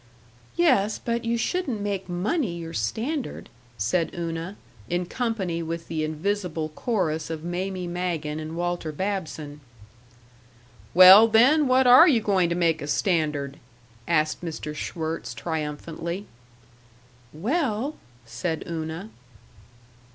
"Yes, but you shouldn't make money your standard," said Una, in company with the invisible chorus of Mamie Magen and Walter Babson. "Well, then, what are you going to make a standard?" asked Mr. Schwirtz, triumphantly. "Well " said Una.